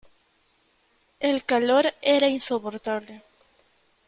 el calor era insoportable .